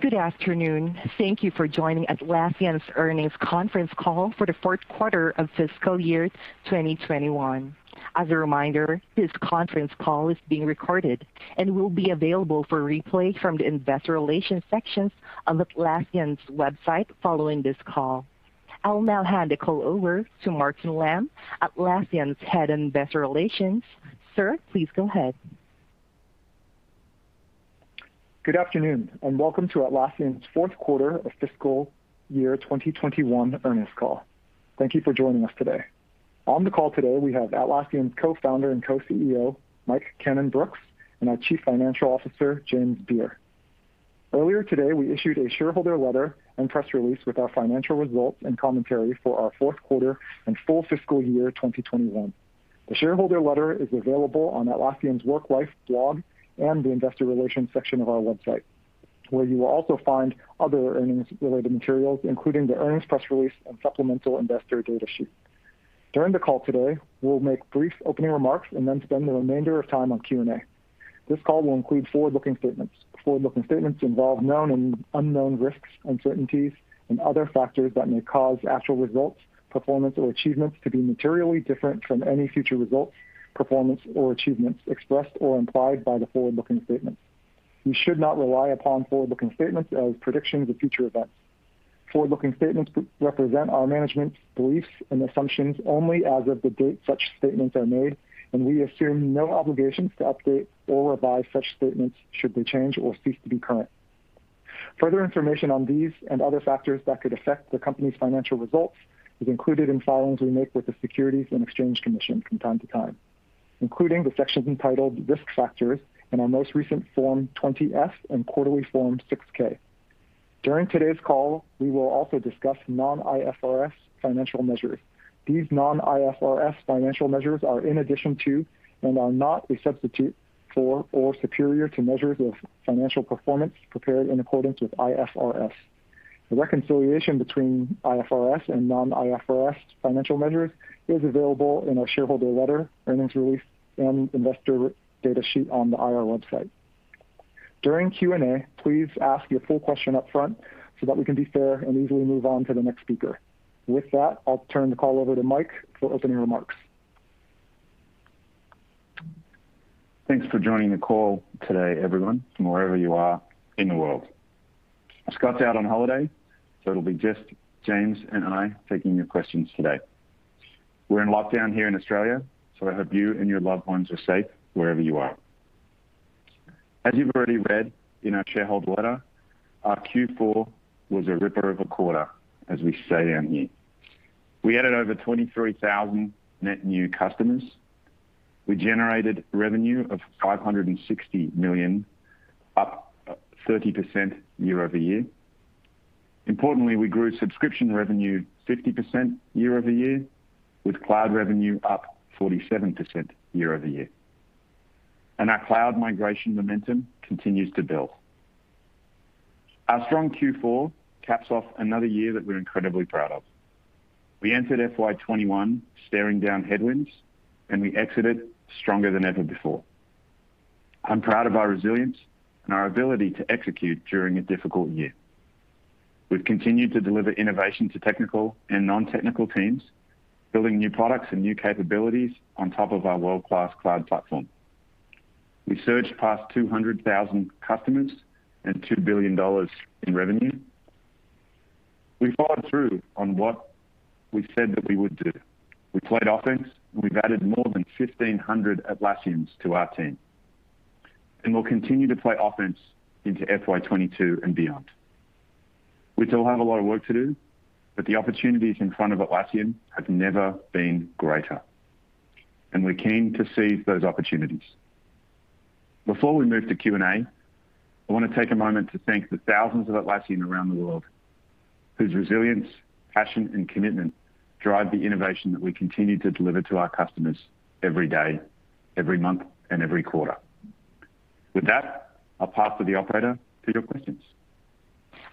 Good afternoon. Thank you for joining Atlassian's Earnings Conference Call for the Fourth Quarter of Fiscal Year 2021. As a reminder, this conference call is being recorded and will be available for replay from the investor relations sections of Atlassian's website following this call. I'll now hand the call over to Martin Lam, Atlassian's Head of Investor Relations. Sir, please go ahead. Good afternoon and welcome to Atlassian's Fourth Quarter of Fiscal Year 2021 Earnings Call. Thank you for joining us today. On the call today, we have Atlassian Co-Founder and Co-CEO, Mike Cannon-Brookes, and our Chief Financial Officer, James Beer. Earlier today, we issued a shareholder letter and press release with our financial results and commentary for our fourth quarter and full Fiscal Year 2021. The shareholder letter is available on Atlassian's Work Life blog and the investor relations section of our website, where you will also find other earnings-related materials, including the earnings press release and supplemental investor data sheet. During the call today, we'll make brief opening remarks, and then spend the remainder of time on Q&A. This call will include forward-looking statements. Forward-looking statements involve known and unknown risks, uncertainties, and other factors that may cause actual results, performance, or achievements to be materially different from any future results, performance, or achievements expressed or implied by the forward-looking statements. You should not rely upon forward-looking statements as predictions of future events. Forward-looking statements represent our management's beliefs and assumptions only as of the date such statements are made, and we assume no obligations to update or revise such statements should they change or cease to be current. Further information on these and other factors that could affect the company's financial results is included in filings we make with the Securities and Exchange Commission from time to time, including the sections entitled Risk Factors in our most recent Form 20-F and quarterly Form 6-K. During today's call, we will also discuss non-IFRS financial measures. These non-IFRS financial measures are in addition to and are not a substitute for or superior to measures of financial performance prepared in accordance with IFRS. The reconciliation between IFRS and non-IFRS financial measures is available in our shareholder letter, earnings release, and investor data sheet on the IR website. During Q&A, please ask your full question up front so that we can be fair and easily move on to the next speaker. With that, I'll turn the call over to Mike for opening remarks. Thanks for joining the call today, everyone, from wherever you are in the world. Scott is out on holiday, so it'll be just James and I taking your questions today. We're in lockdown here in Australia, so I hope you and your loved ones are safe wherever you are. As you've already read in our shareholder letter, our Q4 was a ripper of a quarter, as we say down here. We added over 23,000 net new customers. We generated revenue of $560 million, up 30% year-over-year. Importantly, we grew subscription revenue 50% year-over-year, with cloud revenue up 47% year-over-year, and our cloud migration momentum continues to build. Our strong Q4 caps off another year that we're incredibly proud of. We entered FY 2021 staring down headwinds and we exited stronger than ever before. I'm proud of our resilience and our ability to execute during a difficult year. We've continued to deliver innovation to technical and non-technical teams, building new products and new capabilities on top of our world-class cloud platform. We surged past 200,000 customers and $2 billion in revenue. We followed through on what we said that we would do. We played offense, and we've added more than 1,500 Atlassians to our team. We'll continue to play offense into FY 2022 and beyond. We still have a lot of work to do, but the opportunities in front of Atlassian have never been greater, and we're keen to seize those opportunities. Before we move to Q&A, I want to take a moment to thank the thousands of Atlassians around the world whose resilience, passion, and commitment drive the innovation that we continue to deliver to our customers every day, every month, and every quarter. With that, I'll pass to the operator to your questions.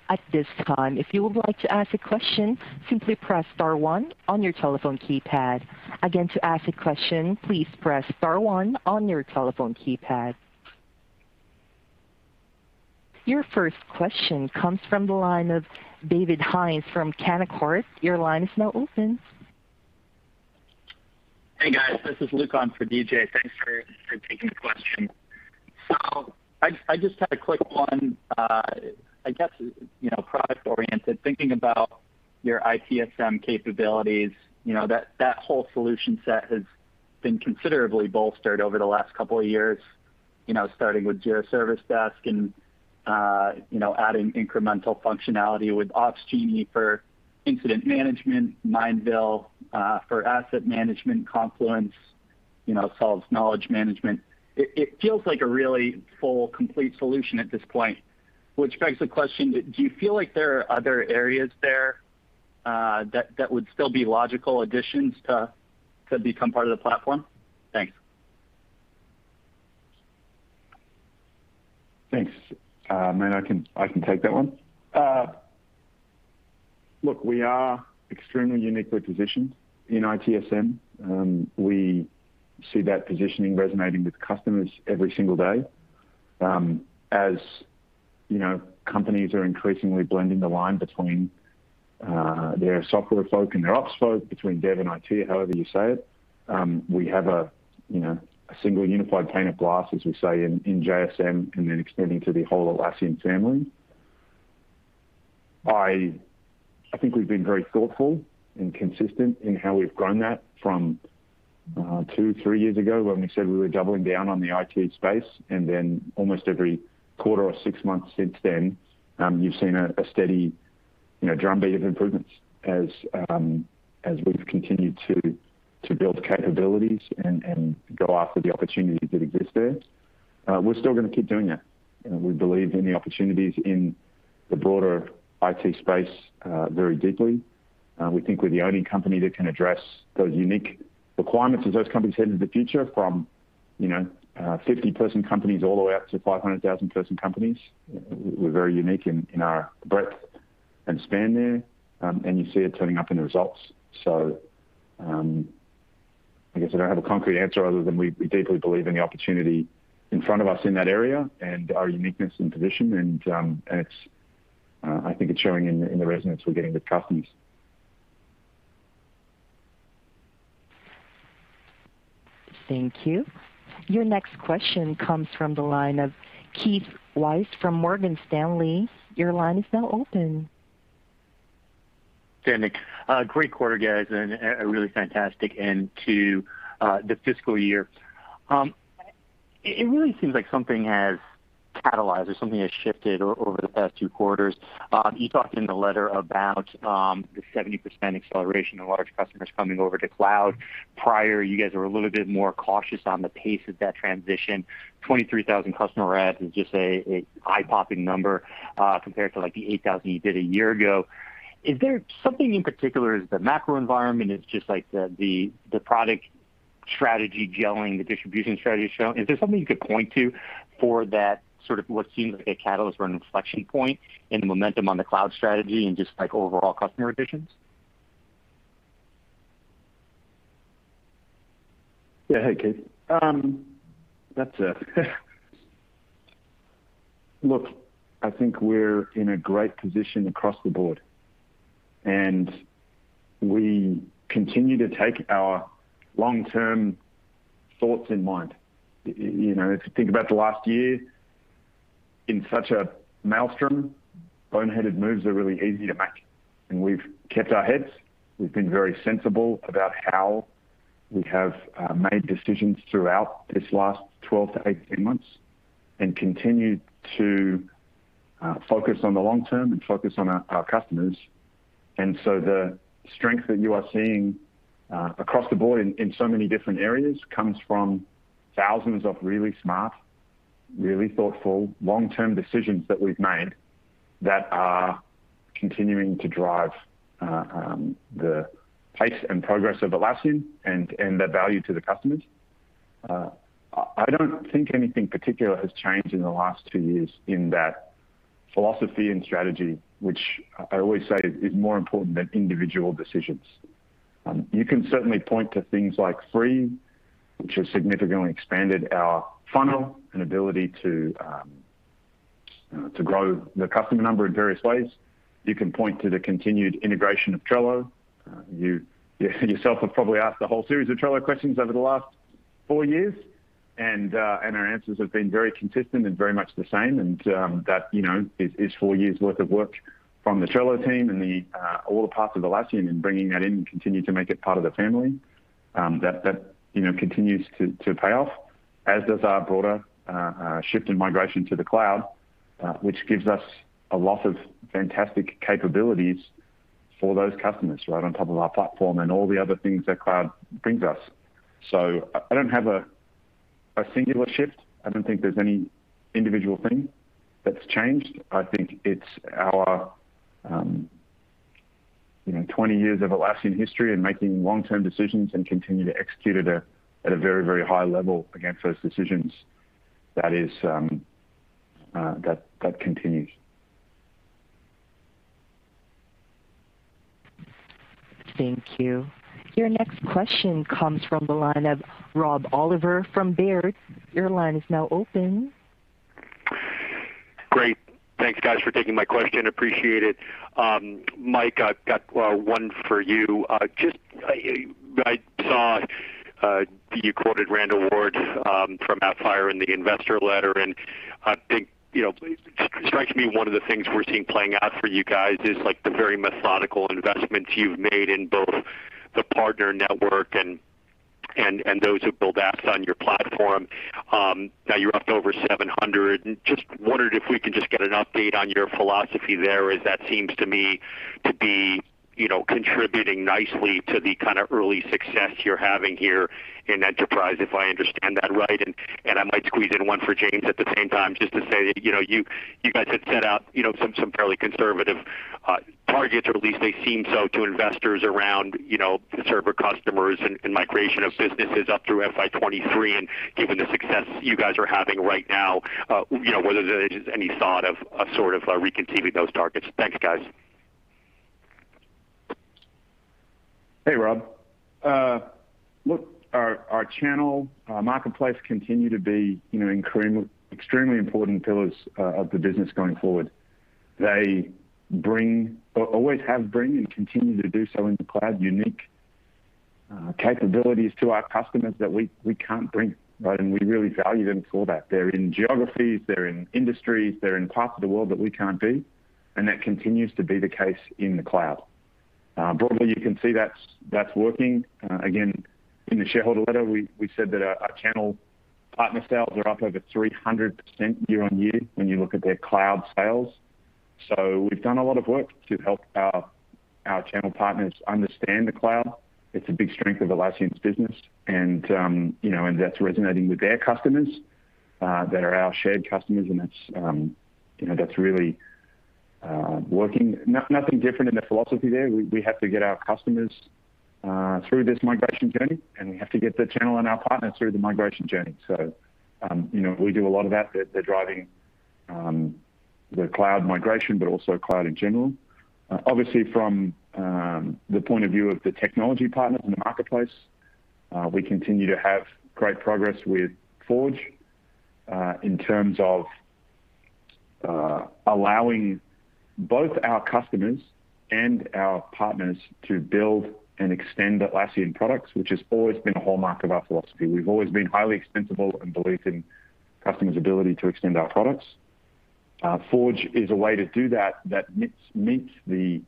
At this time, if you would like to ask a question, simply press star one on your telephone keypad. Again, to ask a question, please press star one on your telephone keypad. Your first question comes from the line of David Hynes from Canaccord. Your line is now open. Hey, guys, this is Luke on for DJ. Thanks for taking the question. I just had a quick one, I guess, product-oriented, thinking about your ITSM capabilities. You know, that whole solution set has been considerably bolstered over the last couple of years, starting with Jira Service Management and adding incremental functionality with Opsgenie for incident management, Mindville for asset management, Confluence solves knowledge management. It feels like a really full, complete solution at this point, which begs the question, do you feel like there are other areas there that would still be logical additions to become part of the platform? Thanks. Thanks, maybe I can take that one. Look, we are extremely uniquely positioned in ITSM. We see that positioning resonating with customers every single day. As, you know, companies are increasingly blending the line between their software folk and their ops folk, between dev and IT, however you say it, we have a single unified pane of glass, as we say, in JSM, and then extending to the whole Atlassian family. I think we've been very thoughtful and consistent in how we've grown that from two, three years ago, when we said we were doubling down on the IT space. Almost every quarter or six months since then, you've seen a steady drumbeat of improvements as we've continued to build capabilities and go after the opportunities that exist there. We're still going to keep doing that. We believe in the opportunities in the broader IT space very deeply. We think we're the only company that can address those unique requirements as those companies head into the future from 50-person companies all the way up to 500,000-person companies. We're very unique in our breadth, and span there, and you see it turning up in the results. I guess I don't have a concrete answer other than we deeply believe in the opportunity in front of us in that area and our uniqueness and position, and I think it's showing in the resonance we're getting with customers. Thank you. Your next question comes from the line of Keith Weiss from Morgan Stanley. Your line is now open. Great quarter, guys, and a really fantastic end to the fiscal year. It really seems like something has catalyzed or something has shifted over the past two quarters. You talked in the letter about the 70% acceleration of large customers coming over to cloud. Prior, you guys were a little bit more cautious on the pace of that transition. 23,000 customer adds is just an eye-popping number compared to the 8,000 you did a year ago. Is there something in particular? Is the macro environment, it's just the product strategy gelling, and the distribution strategy is showing? Is there something you could point to for that sort of what seems like a catalyst or an inflection point in the momentum on the cloud strategy, and just like overall customer additions? Yeah. Hey, Keith, that's it. Look, I think we're in a great position across the board, and we continue to take our long-term thoughts in mind, you know. If you think about the last year, in such a maelstrom, boneheaded moves are really easy to make. We've kept our heads. We've been very sensible about how we have made decisions throughout this last 12 months to 18 months. We continued to focus on the long term and focus on our customers. The strength that you are seeing across the board in so many different areas comes from 1,000s of really smart, really thoughtful long-term decisions that we've made that are continuing to drive the pace and progress of Atlassian and the value to the customers. I don't think anything particular has changed in the last two years in that philosophy and strategy, which I always say is more important than individual decisions. You can certainly point to things like Free, which has significantly expanded our funnel and ability to grow the customer number in various ways. You can point to the continued integration of Trello. You yourself have probably asked a whole series of Trello questions over the last four years, and our answers have been very consistent and very much the same, and that is four years worth of work from the Trello team and all the parts of Atlassian in bringing that in, and continue to make it part of the family. That, you know, continues to pay off, as does our broader shift in migration to the cloud, which gives us a lot of fantastic capabilities for those customers, right, on top of our platform, and all the other things that cloud brings us. I don't have a singular shift. I don't think there's any individual thing that's changed. I think it's our 20 years of Atlassian history and making long-term decisions and continue to execute at a very high level against those decisions, that is, that continues. Thank you. Your next question comes from the line of Rob Oliver from Baird. Your line is now open. Great, thanks guys for taking my question, appreciate it. Mike, I've got one for you. Just I saw that you quoted Randall Ward from Appfire in the investor letter, and I think it strikes me one of the things we're seeing playing out for you guys is the very methodical investments you've made in both the partner network and those who build apps on your platform. Now you're up to over 700, and just wondered if we could just get an update on your philosophy there, as that seems to me to be contributing nicely to the kind of early success you're having here in enterprise, if I understand that right. I might squeeze in one for James at the same time, just to say that you guys had set out some fairly conservative targets, or at least they seem so to investors around server customers and migration of businesses up through FY 2023. Given the success you guys are having right now, whether there's any thought of recontemplating those targets? Thanks, guys. Hey, Rob. Look, our channel marketplace continue to be extremely important pillars of the business going forward. They always have bring and continue to do so in the cloud, unique capabilities to our customers that we can't bring, right? We really value them for that. They're in geographies, they're in industries, they're in parts of the world that we can't be, and that continues to be the case in the cloud. Broadly, you can see that's working. Again, in the shareholder letter, we said that our channel partner sales are up over 300% year-over-year when you look at their cloud sales. We've done a lot of work to help our channel partners understand the cloud. It's a big strength of Atlassian's business and that's resonating with their customers, that are our shared customers, and that's really working. Nothing different in the philosophy there. We have to get our customers through this migration journey, and we have to get the channel and our partners through the migration journey, so we do a lot of that. They're driving the cloud migration, but also cloud in general. Obviously, from the point of view of the technology partners in the marketplace, we continue to have great progress with Forge, in terms of allowing both our customers and our partners to build and extend Atlassian products, which has always been a hallmark of our philosophy. We've always been highly extensible and believe in customers' ability to extend our products. Forge is a way to do that meets the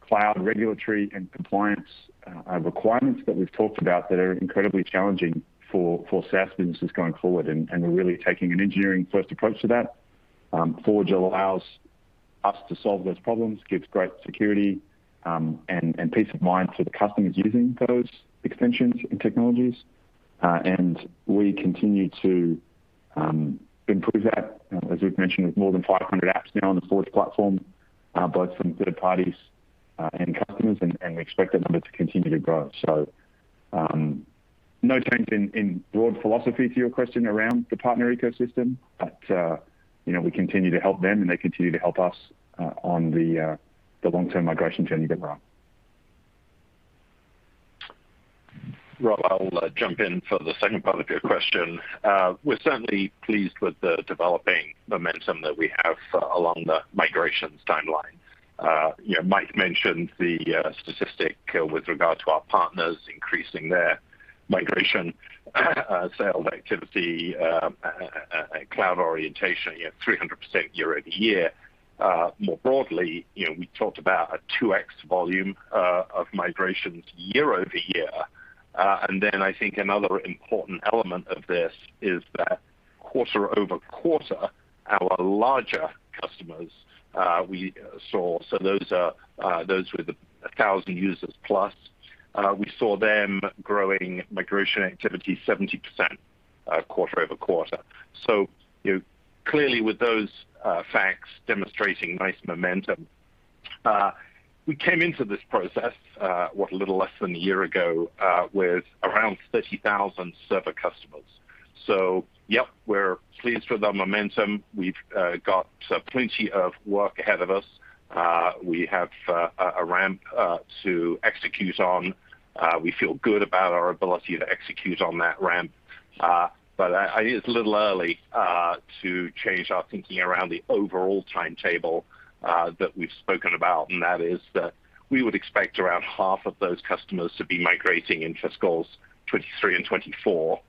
cloud regulatory and compliance requirements that we've talked about, they're incredibly challenging for SaaS businesses going forward, and we're really taking an engineering first approach to that. Forge allows us to solve those problems, gives great security, and peace of mind to the customers using those extensions and technologies. We continue to improve that, as we've mentioned, with more than 500 apps now on the Forge platform, both from third parties and customers, and we expect that number to continue to grow. No change in broad philosophy to your question around the partner ecosystem, but we continue to help them and they continue to help us on the long-term migration journey that we're on. Rob, I'll jump in for the second part of your question. We're certainly pleased with the developing momentum that we have along the migrations timeline. You know, Mike mentioned the statistic with regard to our partners increasing their migration sales activity, a cloud orientation, you have 300% year-over-year. More broadly, you know, we talked about a 2X volume of migrations year-over-year. I think another important element of this is that quarter-over-quarter, our larger customers, so those with 1,000 users plus, we saw them growing migration activity 70% quarter-over-quarter. Clearly with those facts demonstrating nice momentum, we came into this process, what, a little less than a year ago, with around 30,000 server customers. Yep, we're pleased with our momentum. We've got plenty of work ahead of us. We have a ramp to execute on. We feel good about our ability to execute on that ramp. I think it's a little early to change our thinking around the overall timetable that we've spoken about, and that is that we would expect around half of those customers to be migrating in fiscals 2023 and 2024,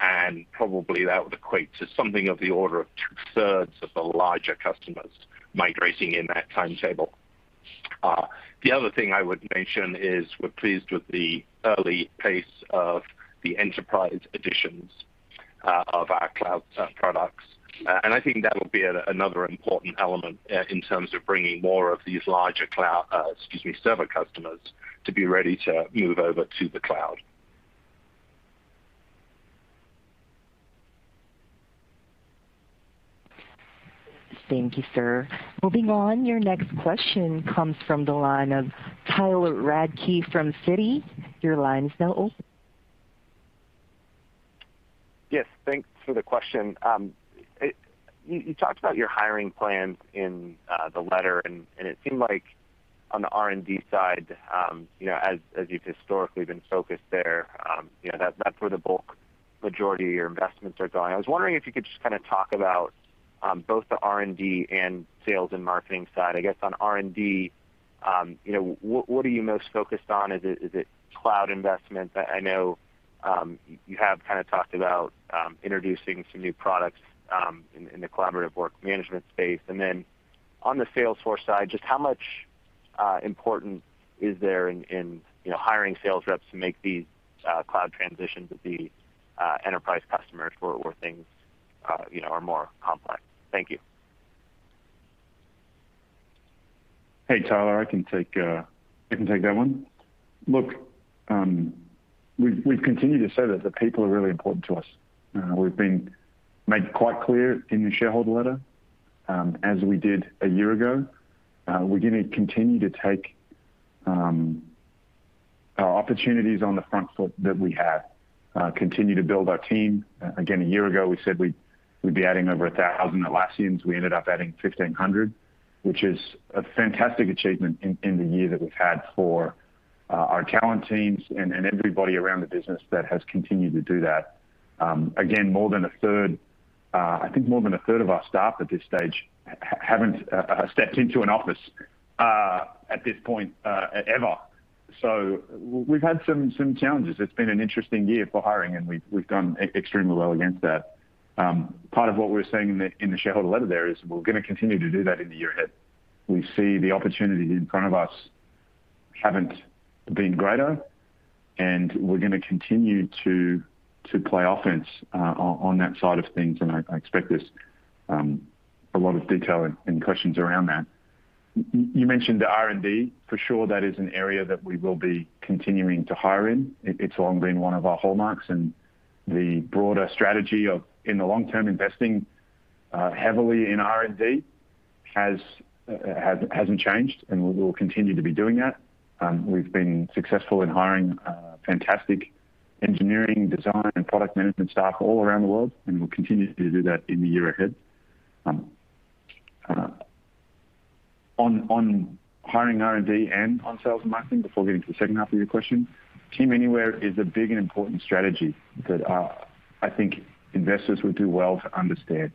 and probably that would equate to something of the order of two-thirds of the larger customers migrating in that timetable. The other thing I would mention is we're pleased with the early pace of the enterprise editions of our cloud products. I think that'll be another important element in terms of bringing more of these larger cloud, excuse me, server customers to be ready to move over to the cloud. Thank you, sir. Moving on, your next question comes from the line of Tyler Radke from Citi. Your line is now open. Yes, thanks for the question. You talked about your hiring plans in the letter, it seemed like on the R&D side, you know, as you've historically been focused there, that's where the bulk majority of your investments are going. I was wondering if you could just talk about both the R&D and sales and marketing side. I guess on R&D, what are you most focused on? Is it cloud investment? I know you have talked about introducing some new products in the collaborative work management space. On the sales force side, just how much importance is there in hiring sales reps to make these cloud transitions with the enterprise customers where things are more complex? Thank you. Hey, Tyler, I can take that one. Look, we've continued to say that the people are really important to us. We've been made quite clear in the shareholder letter, as we did a year ago. We're going to continue to take our opportunities on the front foot that we have, continue to build our team, and then a year ago, we said we'd be adding over 1,000 Atlassians. We ended up adding 1,500, which is a fantastic achievement in the year that we've had for our talent teams and everybody around the business that has continued to do that. I think more than a third of our staff at this stage haven't stepped into an office at this point, ever. We've had some challenges. It's been an interesting year for hiring, and we've done extremely well against that. Part of what we're saying in the shareholder letter there is we're going to continue to do that in the year ahead. We see the opportunities in front of us haven't been greater, and we're going to continue to play offense on that side of things, and I expect there's a lot of detail and questions around that. You mentioned the R&D. For sure, that is an area that we will be continuing to hire in. It's long been one of our hallmarks, and the broader strategy of, in the long term, investing heavily in R&D hasn't changed, and we will continue to be doing that. We've been successful in hiring fantastic engineering, design, and product management staff all around the world, and we'll continue to do that in the year ahead. On hiring R&D and on sales and marketing, before getting to the second half of your question, Team Anywhere is a big and important strategy that I think investors would do well to understand.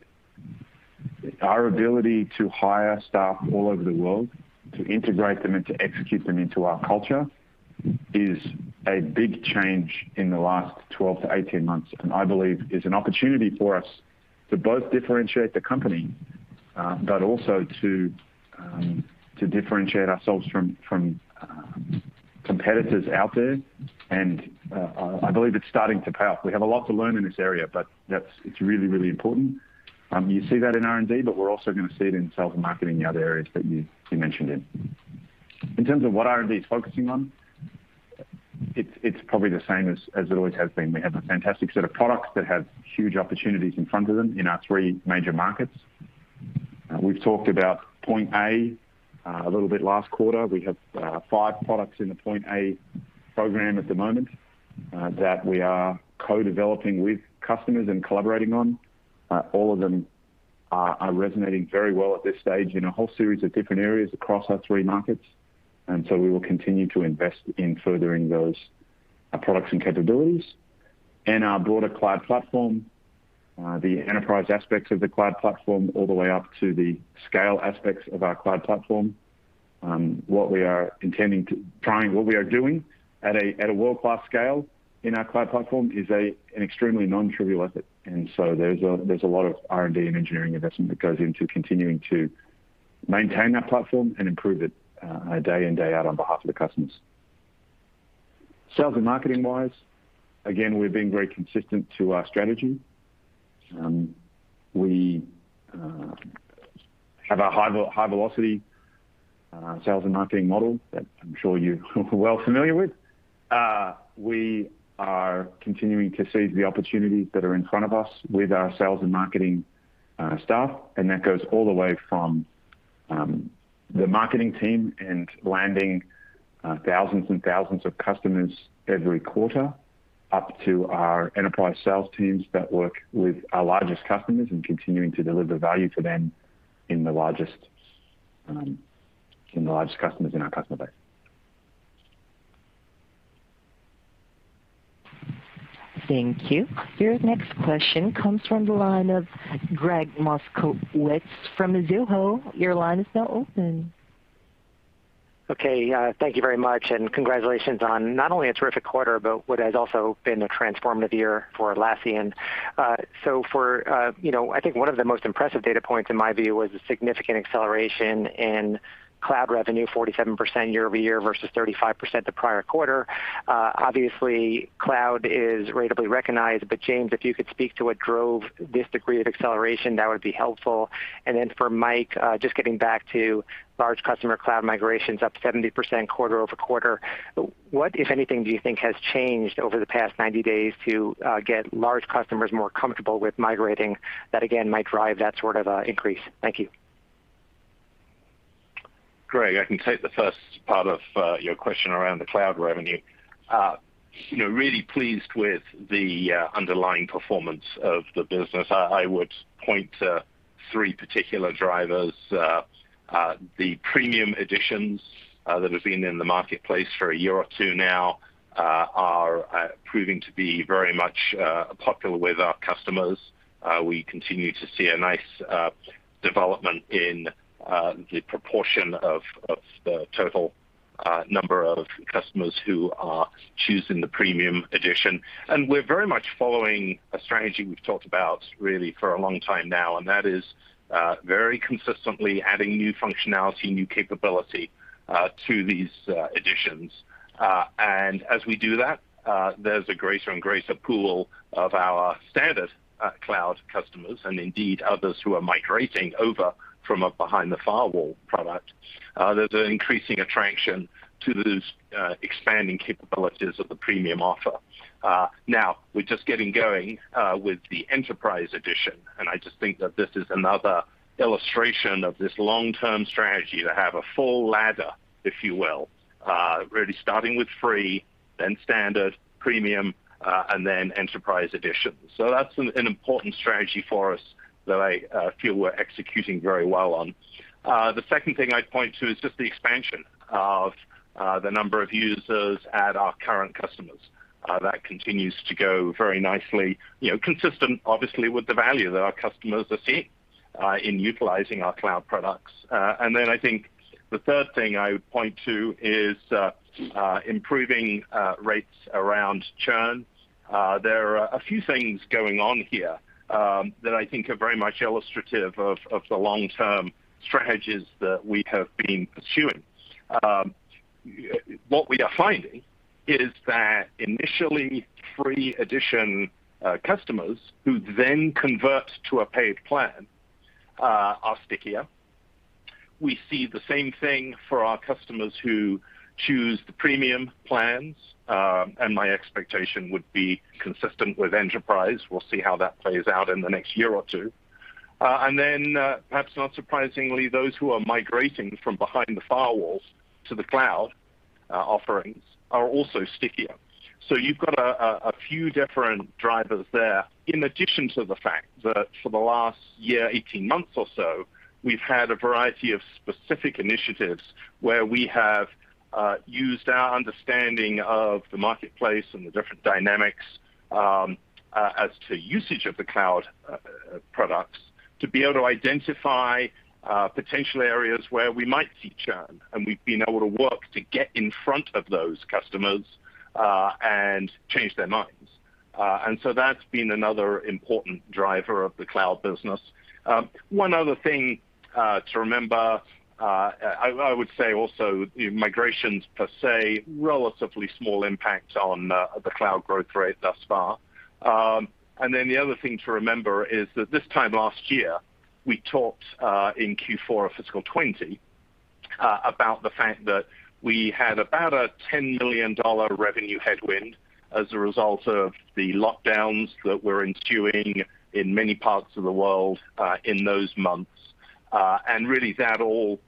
Our ability to hire staff all over the world, to integrate them, and to execute them into our culture is a big change in the last 12 months to 18 months, and I believe is an opportunity for us to both differentiate the company, but also to differentiate ourselves from competitors out there, and I believe it's starting to pay off. We have a lot to learn in this area, but it's really important. You see that in R&D, but we're also going to see it in sales and marketing and the other areas that you mentioned in. In terms of what R&D is focusing on, it's probably the same as it always has been. We have a fantastic set of products that have huge opportunities in front of them in our three major markets. We've talked about Point A a little bit last quarter. We have five products in the Point A program at the moment that we are co-developing with customers and collaborating on. All of them are resonating very well at this stage in a whole series of different areas across our three markets and so we will continue to invest in furthering those products and capabilities. Our broader cloud platform, the enterprise aspects of the cloud platform, all the way up to the scale aspects of our cloud platform, what we are doing at a world-class scale in our cloud platform is an extremely non-trivial effort. There's a lot of R&D and engineering investment that goes into continuing to maintain that platform and improve it on day in, day out on behalf of the customers. Sales and marketing wise, again, we're being very consistent to our strategy. We have a high velocity sales and marketing model that I'm sure you're well familiar with. We are continuing to seize the opportunities that are in front of us with our sales and marketing staff. That goes all the way from the marketing team and landing thousands and thousands of customers every quarter, up to our enterprise sales teams that work with our largest customers and continuing to deliver value to them in the largest customers in our customer base. Thank you. Your next question comes from the line of Gregg Moskowitz from Mizuho. Your line is now open. Okay. Thank you very much, and congratulations on not only a terrific quarter, but what has also been a transformative year for Atlassian. For, you know, I think 1 of the most impressive data points in my view was the significant acceleration in cloud revenue, 47% year-over-year versus 35% the prior quarter. Obviously, cloud is ratably recognized, but James, if you could speak to what drove this degree of acceleration, that would be helpful. Then for Mike, just getting back to large customer cloud migrations up 70% quarter-over-quarter, what, if anything, do you think has changed over the past 90 days to get large customers more comfortable with migrating that again might drive that sort of increase? Thank you. Gregg, I can take the first part of your question around the cloud revenue. You know, really pleased with the underlying performance of the business. I would point to three particular drivers. The premium editions that have been in the marketplace for a year or two now are proving to be very much popular with our customers. We continue to see a nice development in the proportion of the total number of customers who are choosing the premium edition. We're very much following a strategy we've talked about really for a long time now, and that is very consistently adding new functionality, new capability to these editions. As we do that, there's a greater and greater pool of our standard cloud customers and indeed others who are migrating over from a behind the firewall product. There's an increasing attraction to those expanding capabilities of the premium offer. We're just getting going with the Enterprise Edition, and I just think that this is another illustration of this long-term strategy to have a full ladder, if you will, really starting with Free, then Standard, Premium, and then Enterprise Edition. That's an important strategy for us that I feel we're executing very well on. The second thing I'd point to is just the expansion of the number of users at our current customers. That continues to go very nicely, consistent obviously with the value that our customers are seeing in utilizing our cloud products, and then I think the third thing I would point to is improving rates around churn. There are a few things going on here that I think are very much illustrative of the long-term strategies that we have been pursuing. What we are finding is that initially Free Edition customers who then convert to a paid plan are stickier. We see the same thing for our customers who choose the premium plans, and my expectation would be consistent with enterprise. We'll see how that plays out in the next year or two. Perhaps not surprisingly, those who are migrating from behind the firewalls to the cloud offerings are also stickier. You've got a few different drivers there, in addition to the fact that for the last year, 18 months or so, we've had a variety of specific initiatives where we have used our understanding of the marketplace and the different dynamics as to usage of the cloud products to be able to identify potential areas where we might see churn. We've been able to work to get in front of those customers, and change their minds, so that's been another important driver of the cloud business. One other thing to remember, I would say also migrations per se, relatively small impact on the cloud growth rate thus far. The other thing to remember is that this time last year, we talked in Q4 of fiscal 2020 about the fact that we had about a $10 million revenue headwind as a result of the lockdowns that were ensuing in many parts of the world in those months, and really that all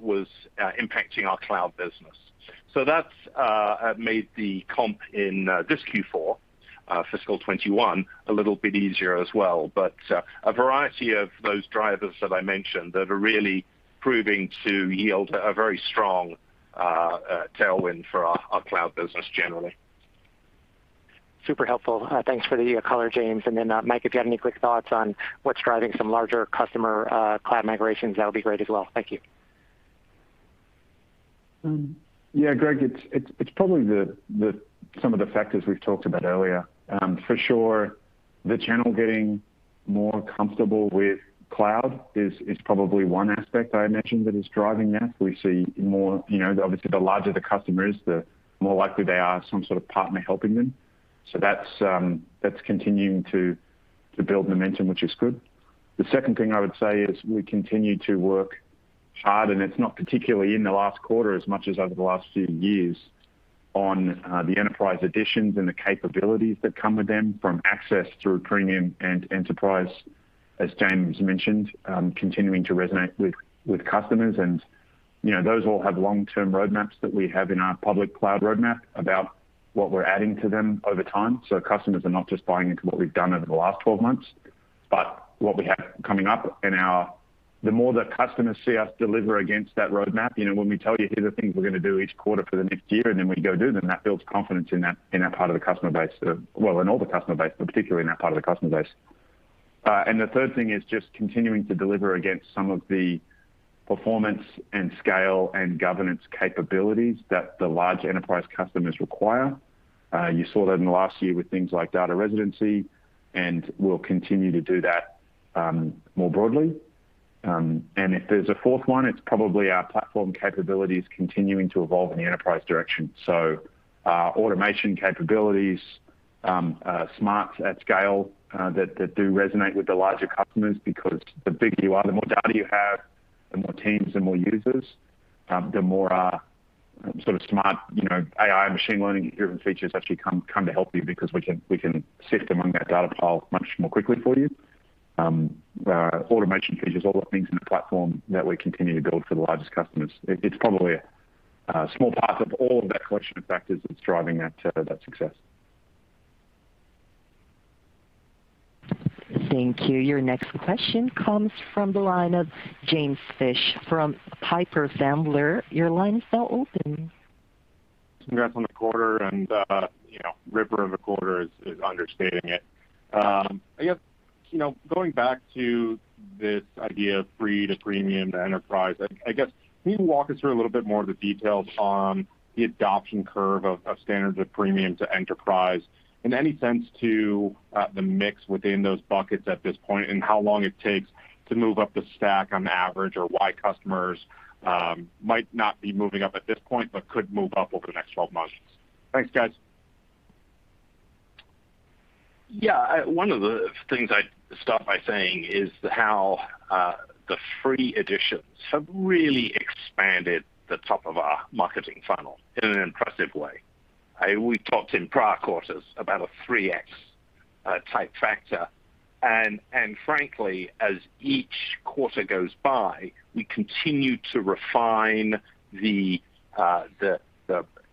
was impacting our cloud business. That's made the comp in this Q4 fiscal 2021 a little bit easier as well. A variety of those drivers that I mentioned that are really proving to yield a very strong tailwind for our cloud business generally. Super helpful, thanks for the color, James. Mike, if you have any quick thoughts on what's driving some larger customer cloud migrations, that would be great as well. Thank you. Yeah, Gregg, it's probably some of the factors we've talked about earlier. For sure, the channel getting more comfortable with cloud is probably one aspect I had mentioned that is driving that. We see more, obviously the larger the customer is, the more likely they are some sort of partner helping them. That's continuing to build momentum, which is good. The second thing I would say is we continue to work hard, and it's not particularly in the last quarter as much as over the last few years, on the enterprise editions and the capabilities that come with them from access through premium and enterprise, as James mentioned, continuing to resonate with customers. Those all have long-term roadmaps that we have in our public cloud roadmap about what we're adding to them over time. Customers are not just buying into what we've done over the last 12 months but what we have coming up. The more that customers see us deliver against that roadmap, when we tell you, "Here are the things we're going to do each quarter for the next year," and then we go do them, that builds confidence in that part of the customer base. Well, in all the customer base, but particularly in that part of the customer base. The third thing is just continuing to deliver against some of the performance and scale and governance capabilities that the large enterprise customers require. You saw that in the last year with things like data residency, and we'll continue to do that more broadly, and then if there's a fourth one, it's probably our platform capabilities continuing to evolve in the enterprise direction. Automation capabilities, smarts at scale that do resonate with the larger customers, because the bigger you are, the more data you have, the more teams, the more users, the more sort of smart, you know, AI machine learning driven features actually come to help you because we can sift among that data pile much more quickly for you. Automation features, all the things in the platform that we continue to build for the largest customers. It's probably a small part of all of that collection of factors that's driving that success. Thank you. Your next question comes from the line of James Fish from Piper Sandler. Congrats on the quarter, and ripper of a quarter is understating it. I guess, you know, going back to this idea of Free to Premium to Enterprise, I guess can you walk us through a little bit more of the details on the adoption curve of Standard to Premium to Enterprise, in any sense to the mix within those buckets at this point, and how long it takes to move up the stack on average, or why customers might not be moving up at this point but could move up over the next 12 months? Thanks, guys. Yeah. One of the things I'd start by saying is how the Free editions have really expanded the top of our marketing funnel in an impressive way. We talked in prior quarters about a 3x type factor. Frankly, as each quarter goes by, we continue to refine the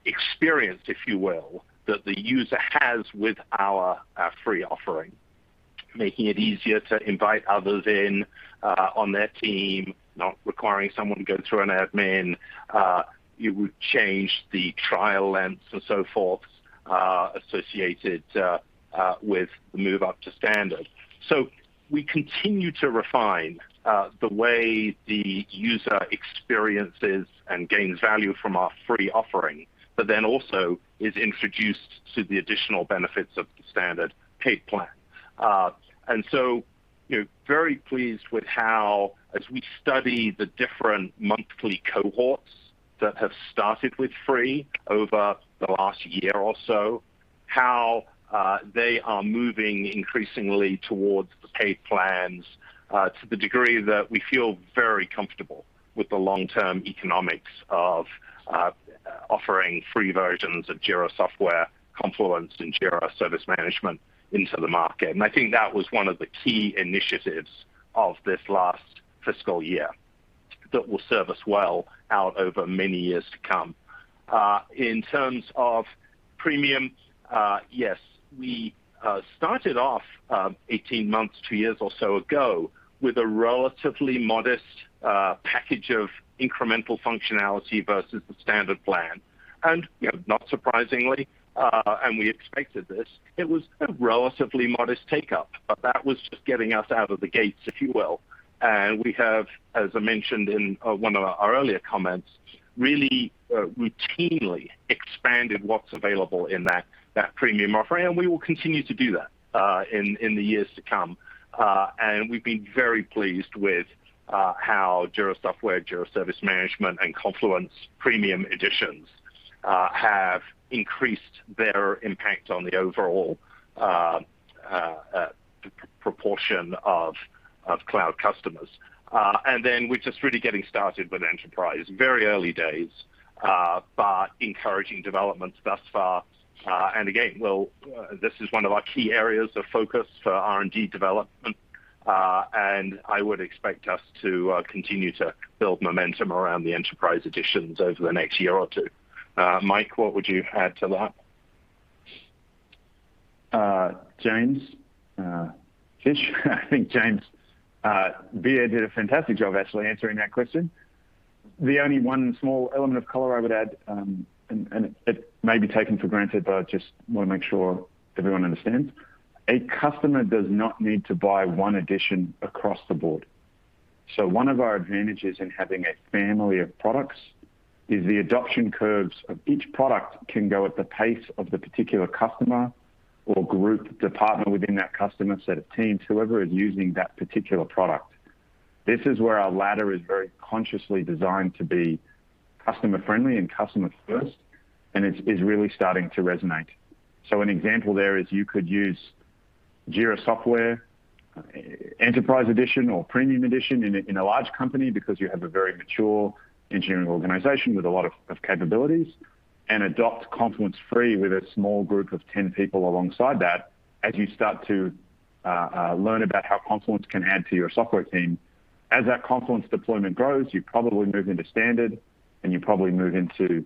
experience, if you will, that the user has with our Free offering, making it easier to invite others in on their team, not requiring someone to go through an admin. You would change the trial lengths and so forth associated with the move up to Standard. We continue to refine the way the user experiences and gains value from our Free offering, but then also is introduced to the additional benefits of the Standard paid plan. You know, very pleased with how, as we study the different monthly cohorts that have started with Free over the last year or so, how they are moving increasingly towards the paid plans to the degree that we feel very comfortable with the long-term economics of offering Free versions of Jira Software, Confluence, and Jira Service Management into the market. I think that was one of the key initiatives of this last fiscal year that will serve us well out over many years to come. In terms of Premium, yes, we started off 18 months, two years or so ago, with a relatively modest package of incremental functionality versus the standard plan. Not surprisingly, and we expected this, it was a relatively modest take-up. That was just getting us out of the gates, if you will. We have, as I mentioned in one of our earlier comments, really routinely expanded what's available in that premium offering, and we will continue to do that in the years to come. We've been very pleased with how Jira Software, Jira Service Management, and Confluence premium editions have increased their impact on the overall proportion of cloud customers. We're just really getting started with enterprise. Very early days, but encouraging developments thus far. Again, this is one of our key areas of focus for R&D development, and I would expect us to continue to build momentum around the enterprise editions over the next year or two. Mike, what would you add to that? James, I think James Beer did a fantastic job, actually, answering that question. The only one small element of color I would add, and it may be taken for granted, but I just want to make sure everyone understands. A customer does not need to buy one edition across the board. One of our advantages in having a family of products is the adoption curves of each product can go at the pace of the particular customer or group, department within that customer, set of teams, whoever is using that particular product. This is where our ladder is very consciously designed to be customer friendly and customer first, and it is really starting to resonate. An example there is you could use Jira Software Enterprise Edition or Premium Edition in a large company because you have a very mature engineering organization with a lot of capabilities, and adopt Confluence Free with a small group of 10 people alongside that as you start to learn about how Confluence can add to your software team. As that Confluence deployment grows, you probably move into Standard, and you probably move into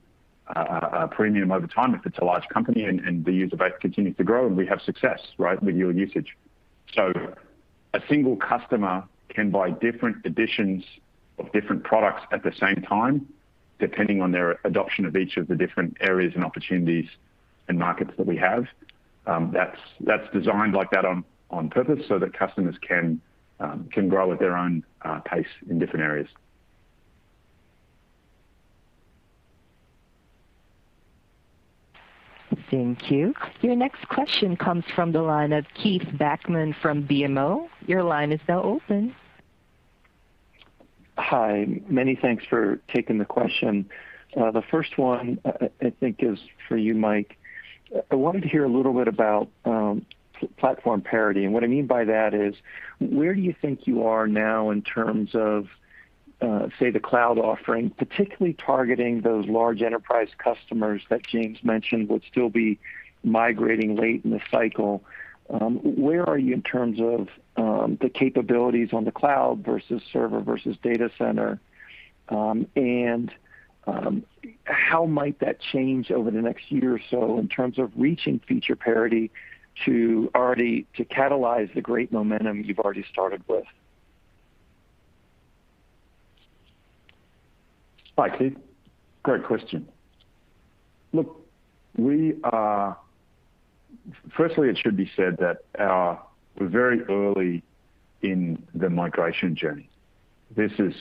Premium over time if it's a large company and the user base continues to grow and we have success, right, with your usage. A single customer can buy different editions of different products at the same time, depending on their adoption of each of the different areas and opportunities and markets that we have. That's designed like that on purpose so that customers can grow at their own pace in different areas. Thank you. Your next question comes from the line of Keith Bachman from BMO. Your line is now open. Hi, many thanks for taking the question. The first one, I think, is for you, Mike. I wanted to hear a little bit about platform parity. What I mean by that is, where do you think you are now in terms of, say, the cloud offering, particularly targeting those large enterprise customers that James mentioned would still be migrating late in the cycle. Where are you in terms of the capabilities on the cloud versus server versus data center? How might that change over the next year or so in terms of reaching feature parity to catalyze the great momentum you've already started with? Hi, Keith, great question. Look, firstly, it should be said that we're very early in the migration journey. This is,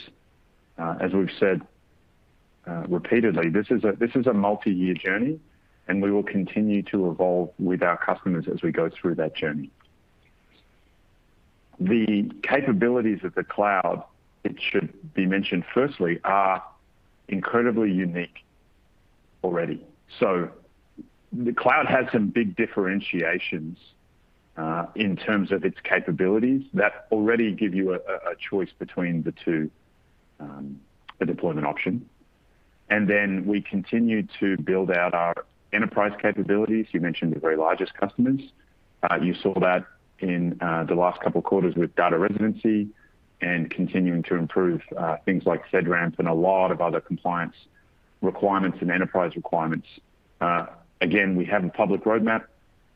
as we've said repeatedly, this is a multi-year journey. We will continue to evolve with our customers as we go through that journey. The capabilities of the cloud, it should be mentioned firstly, are incredibly unique already. The cloud has some big differentiations in terms of its capabilities, that already give you a choice between the two, the deployment option. We continue to build out our enterprise capabilities. You mentioned the very largest customers. You saw that in the last couple of quarters with data residency and continuing to improve things like FedRAMP and a lot of other compliance requirements and enterprise requirements. Again, we have a public roadmap.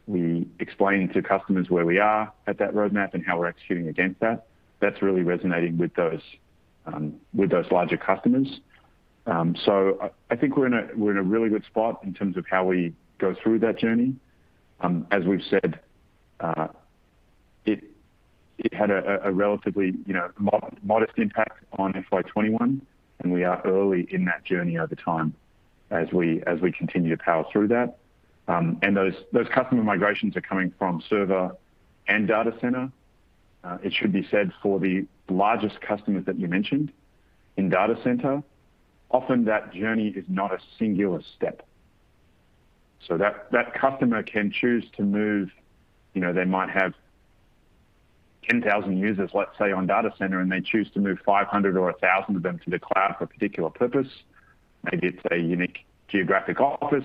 We explain to customers where we are at that roadmap and how we're executing against that. That's really resonating with those larger customers. I think we're in a really good spot in terms of how we go through that journey. As we've said, it had a relatively modest impact on FY 2021, and we are early in that journey over time as we continue to power through that. Those customer migrations are coming from server and data center. It should be said for the largest customers that you mentioned in data center, often that journey is not a singular step. That customer can choose to move. You know, they might have 10,000 users, let's say, on data center, and they choose to move 500 or 1,000 of them to the cloud for a particular purpose, maybe it's a unique geographic office, or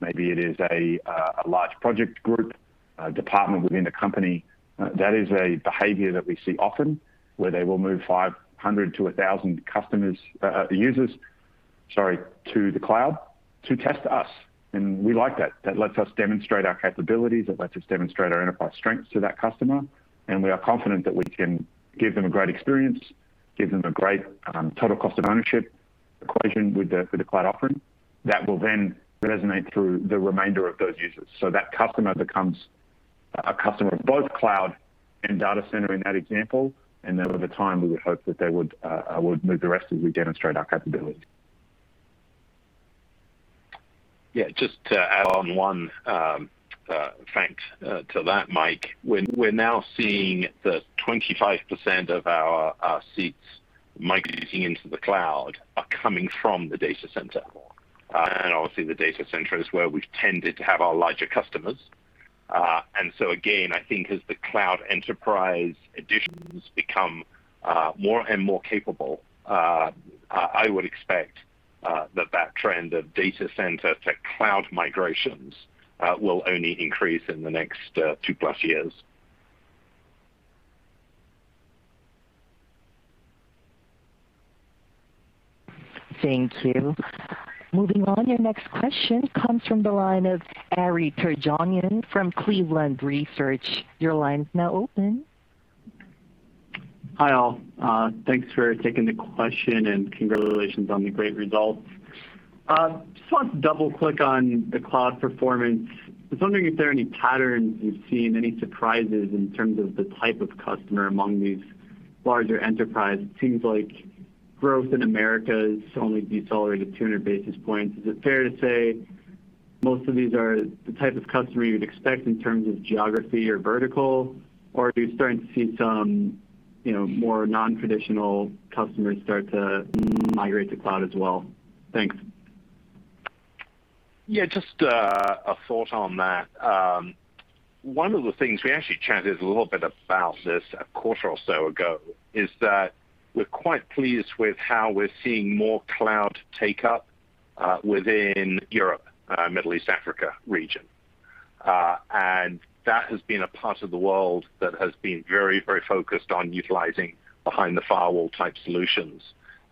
maybe it is a large project group, a department within a company. That is a behavior that we see often where they will move 500 to 1,000 users to the cloud to test us and we like that. That lets us demonstrate our capabilities. It lets us demonstrate our enterprise strengths to that customer. We are confident that we can give them a great experience, give them a great total cost of ownership equation with the cloud offering that will then resonate through the remainder of those users. That customer becomes a customer of both cloud and data center in that example. Over time, we would hope that they would move the rest as we demonstrate our capability. Yeah, just to add on one fact to that, Mike. We're now seeing that 25% of our seats migrating into the cloud are coming from the data center. Obviously the data center is where we've tended to have our larger customers. Again, I think, as the cloud enterprise editions become more and more capable, I would expect that trend of data center to cloud migrations will only increase in the next two plus years. Thank you. Moving on, your next question comes from the line of Ari Terjanian from Cleveland Research. Your line's now open. Hi, all. Thanks for taking the question and congratulations on the great results. I just want to double-click on the cloud performance. I was wondering if there are any patterns you've seen, any surprises in terms of the type of customer among these larger enterprise. It seems like growth in America has only decelerated 200 basis points. Is it fair to say most of these are the type of customer you'd expect in terms of geography or vertical? Are you starting to see some, you know, more non-traditional customers start to migrate to cloud as well? Thanks. Yeah, just a thought on that. One of the things, we actually chatted a little bit about this a quarter or so ago, is that we're quite pleased with how we're seeing more cloud take up within Europe, Middle East, Africa region. That has been a part of the world that has been very focused on utilizing behind the firewall type solutions.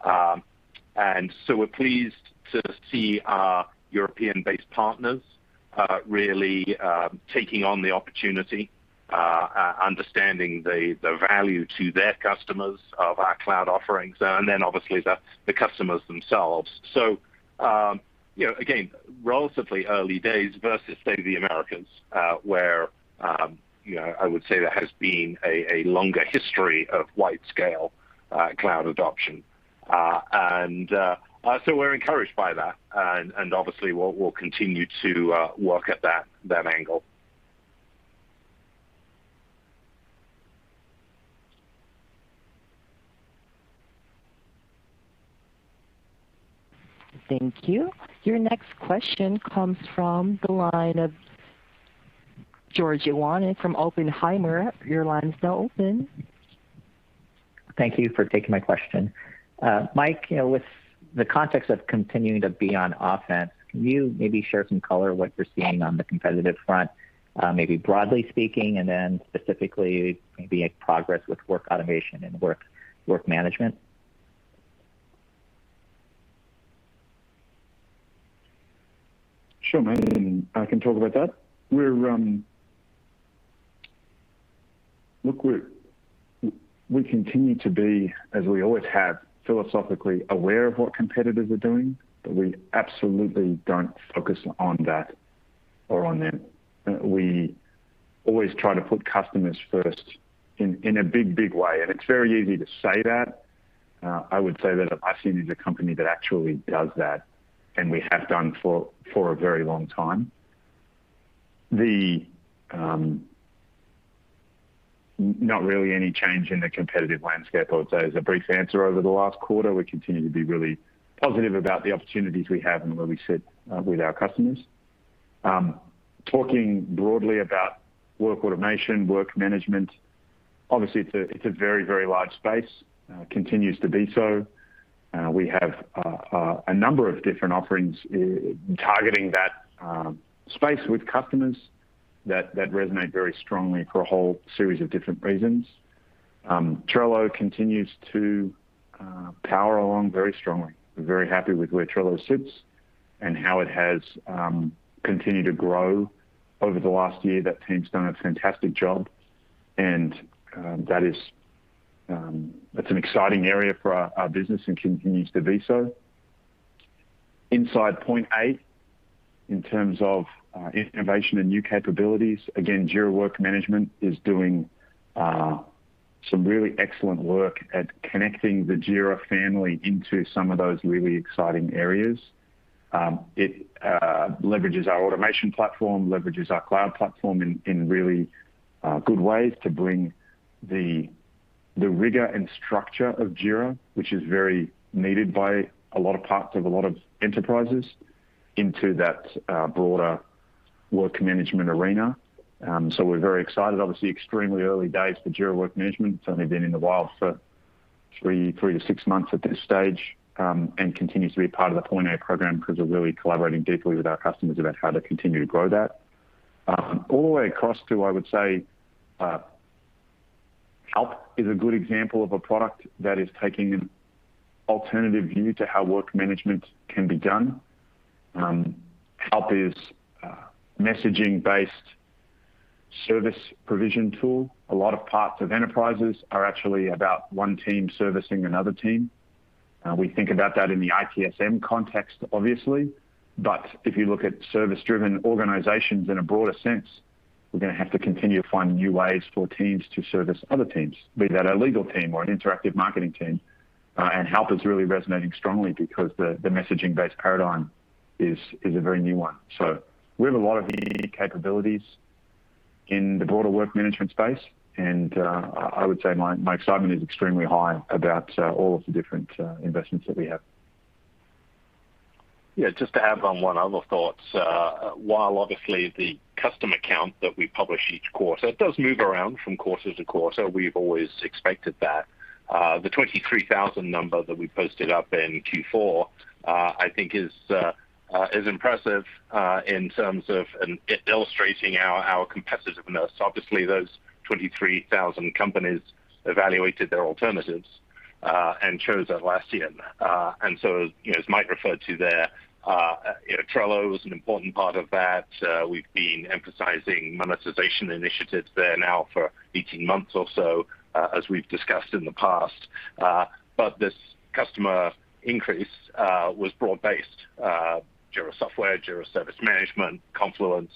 We're pleased to see our European-based partners really taking on the opportunity, understanding the value to their customers of our cloud offerings, and then obviously the customers themselves. Again, relatively early days versus say the Americans, where I would say there has been a longer history of wide-scale cloud adoption. We're encouraged by that and, obviously, we'll continue to work at that angle. Thank you. Your next question comes from the line of Ittai Kidron from Oppenheimer. Your line is now open. Thank you for taking my question. Mike, with the context of continuing to be on offense, can you maybe share some color what you're seeing on the competitive front? Maybe broadly speaking, and then specifically maybe progress with work automation and work management. Sure, I can talk about that. Look, we continue to be, as we always have, philosophically aware of what competitors are doing, but we absolutely don't focus on that or on them. We always try to put customers first in a big, big way. It's very easy to say that. I would say that Atlassian is a company that actually does that, and we have done for a very long time. Not really any change in the competitive landscape, I would say, is a brief answer over the last quarter. We continue to be really positive about the opportunities we have and where we sit with our customers. Talking broadly about work automation, work management, obviously, it's a very large space, continues to be so. We have a number of different offerings targeting that space with customers that resonate very strongly for a whole series of different reasons. Trello continues to power along very strongly. We're very happy with where Trello sits and how it has continued to grow over the last year. That team's done a fantastic job, and that's an exciting area for our business, and continues to be so. Inside Point A, in terms of innovation and new capabilities, again, Jira Work Management is doing some really excellent work at connecting the Jira family into some of those really exciting areas. It leverages our automation platform, it leverages our cloud platform in really good ways to bring the rigor and structure of Jira, which is very needed by a lot of parts of a lot of enterprises into that broader work management arena, so we're very excited. Obviously, extremely early days for Jira Work Management. It's only been in the wild for three months to six months at this stage, and continues to be part of the Point A program because we're really collaborating deeply with our customers about how to continue to grow that. All the way across to, I would say, Halp is a good example of a product that is taking an alternative view to how work management can be done. Halp is a messaging-based service provision tool. A lot of parts of enterprises are actually about one team servicing another team. We think about that in the ITSM context obviously, If you look at service-driven organizations in a broader sense, we're going to have to continue to find new ways for teams to service other teams, be that a legal team or an interactive marketing team. Halp is really resonating strongly because the messaging-based paradigm is a very new one. We have a lot of capabilities in the broader work management space. I would say my excitement is extremely high about all of the different investments that we have. Yeah, just to add on one other thought. While obviously the customer count that we publish each quarter, it does move around from quarter to quarter, and we've always expected that. The 23,000 number that we posted up in Q4, I think is impressive in terms of it illustrating our competitiveness. Obviously, those 23,000 companies evaluated their alternatives, and chose Atlassian. As Mike referred to there, Trello is an important part of that. We've been emphasizing monetization initiatives there now for 18 months or so, as we've discussed in the past. This customer increase was broad-based, Jira Software, Jira Service Management, Confluence,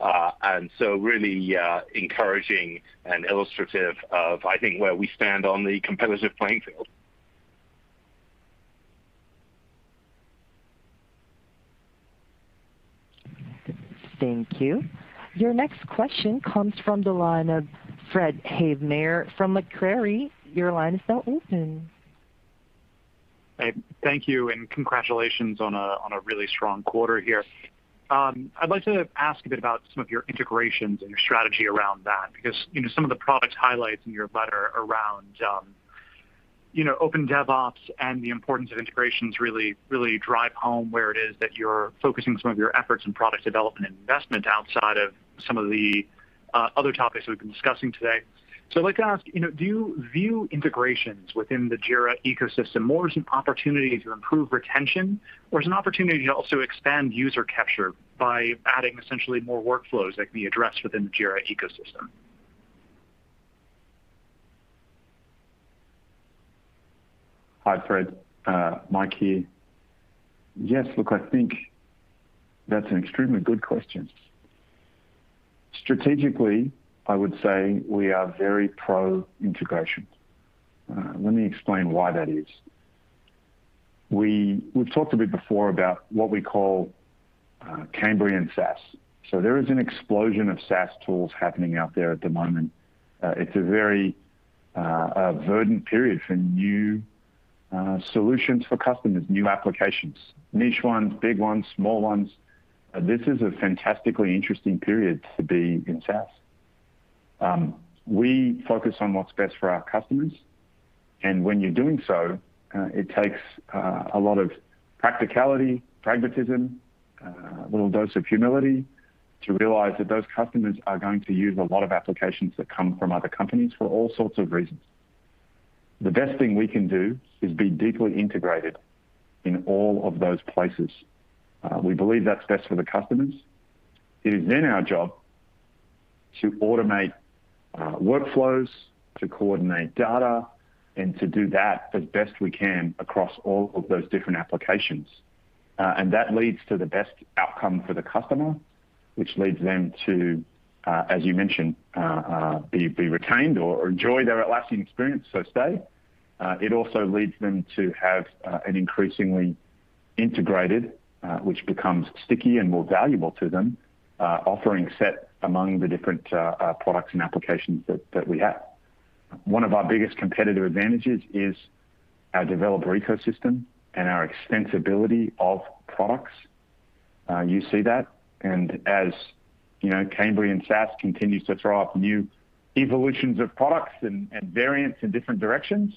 and so really encouraging and illustrative of, I think, where we stand on the competitive playing field. Thank you. Your next question comes from the line of Fred Havemeyer from Macquarie. Your line is now open. Thank you, and congratulations on a really strong quarter here. I'd like to ask a bit about some of your integrations and your strategy around that, because, you know, some of the product highlights in your letter around, you know, Open DevOps and the importance of integrations really drive home where it is that you're focusing some of your efforts in product development and investment outside of some of the other topics we've been discussing today. I'd like to ask, do you view integrations within the Jira ecosystem more as an opportunity to improve retention or as an opportunity to also expand user capture by adding essentially more workflows that can be addressed within the Jira ecosystem? Hi, Fred, Mike here. Yes, look, I think that's an extremely good question. Strategically, I would say we are very pro-integration. Let me explain why that is. We've talked a bit before about what we call Cambrian SaaS. There is an explosion of SaaS tools happening out there at the moment. It's a very verdant period for new solutions for customers, new applications, niche ones, big ones, small ones. This is a fantastically interesting period to be in SaaS. We focus on what's best for our customers. When you're doing so, it takes a lot of practicality, pragmatism, a little dose of humility to realize that those customers are going to use a lot of applications that come from other companies for all sorts of reasons. The best thing we can do is be deeply integrated in all of those places. We believe that's best for the customers. It is our job to automate workflows, to coordinate data, and to do that as best we can across all of those different applications. That leads to the best outcome for the customer, which leads them to, as you mentioned, be retained or enjoy their Atlassian experience, so stay. It also leads them to have an increasingly integrated, which becomes sticky and more valuable to them, offering set among the different products and applications that we have. One of our biggest competitive advantages is our developer ecosystem and our extensibility of products. You see that, and as Cambrian SaaS continues to throw up new evolutions of products and variants in different directions,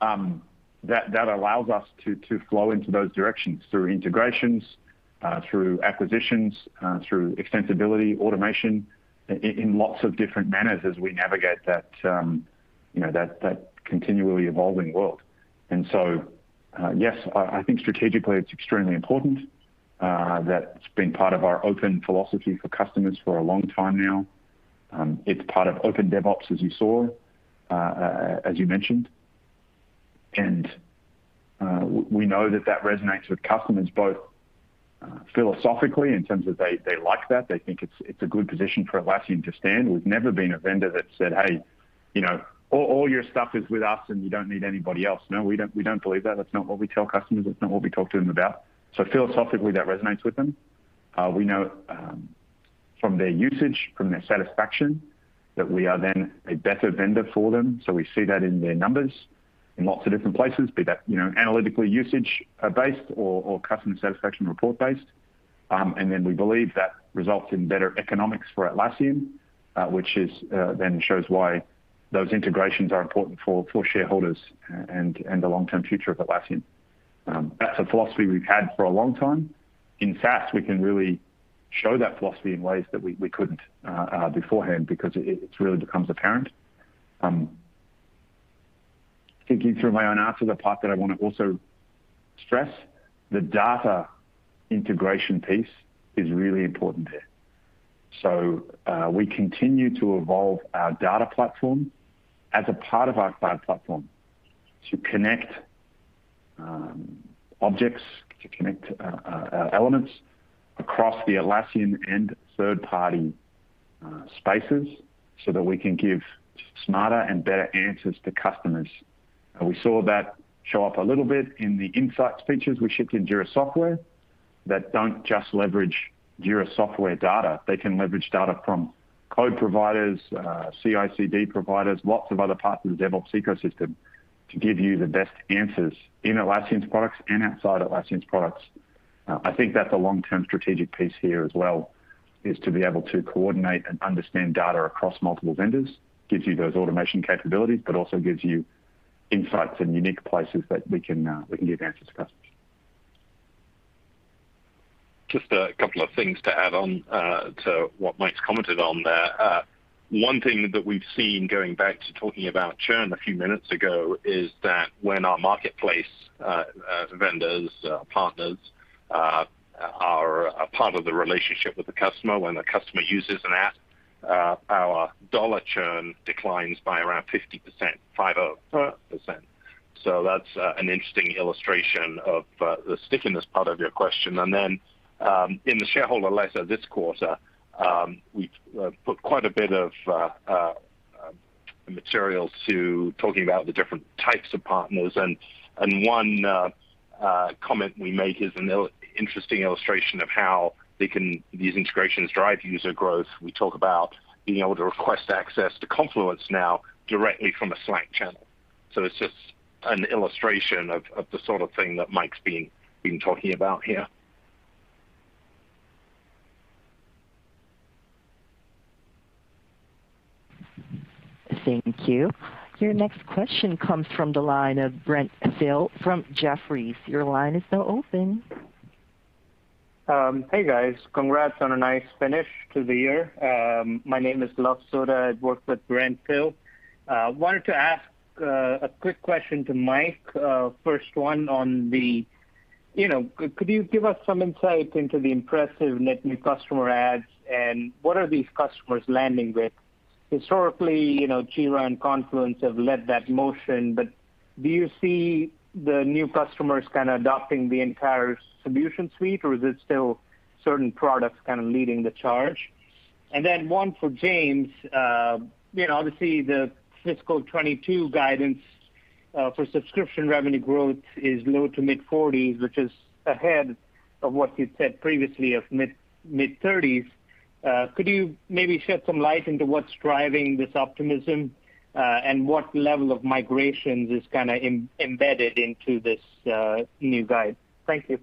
that allows us to flow into those directions through integrations, through acquisitions, through extensibility, automation, in lots of different manners as we navigate that continually evolving world. Yes, I think strategically it's extremely important. That's been part of our open philosophy for customers for a long time now. It's part of Open DevOps, as you saw, as you mentioned. We know that resonates with customers both philosophically, in terms of they like that. They think it's a good position for Atlassian to stand. We've never been a vendor that said, "Hey, all your stuff is with us and you don't need anybody else." No, we don't believe that. That's not what we tell customers. That's not what we talk to them about. Philosophically, that resonates with them. We know from their usage, from their satisfaction, that we are then a better vendor for them. We see that in their numbers in lots of different places, be that analytically usage-based or customer satisfaction report-based. We believe that results in better economics for Atlassian, which then shows why those integrations are important for shareholders and the long-term future of Atlassian. That's a philosophy we've had for a long time. In fact, we can really show that philosophy in ways that we couldn't beforehand because it really becomes apparent. Thinking through my own answer, the part that I want to also stress, the data integration piece is really important here. We continue to evolve our data platform as a part of our cloud platform to connect objects, to connect elements across the Atlassian and third-party spaces, so that we can give smarter and better answers to customers. We saw that show up a little bit in the insights features we shipped in Jira Software that don't just leverage Jira Software data. They can leverage data from code providers, CI/CD providers, lots of other parts of the DevOps ecosystem to give you the best answers in Atlassian's products and outside Atlassian's products. I think that the long-term strategic piece here as well is to be able to coordinate and understand data across multiple vendors. Gives you those automation capabilities, but also gives you insights in unique places that we can give answers to customers. Just a couple of things to add on to what Mike's commented on there. One thing that we've seen, going back to talking about churn a few minutes ago, is that when our marketplace vendors and partners are a part of the relationship with the customer, when the customer uses an app, our dollar churn declines by around 50%, 5-0%. That's an interesting illustration of the stickiness part of your question. In the shareholder letter this quarter, we've put quite a bit of material to talking about the different types of partners. One comment we made is an interesting illustration of how these integrations drive user growth. We talk about being able to request access to Confluence now directly from a Slack channel. It's just an illustration of the sort of thing that Mike's been talking about here. Thank you. Your next question comes from the line of Brent Thill from Jefferies. Your line is now open. Hey, guys. Congrats on a nice finish to the year. My name is Luv Sodha. I work with Brent Thill. Wanted to ask a quick question to Mike. First one on the, could you give us some insight into the impressive net new customer adds, and what are these customers landing with? Historically, you knmow, Jira and Confluence have led that motion, but do you see the new customers kind of adopting the entire solution suite, or is it still certain products kind of leading the charge? Then one for James. You know, obviously, the FY 2022 guidance for subscription revenue growth is low to mid-40s, which is ahead of what you'd said previously of mid 30s. Could you maybe shed some light into what's driving this optimism, and what level of migrations is kind of embedded into this new guide? Thank you.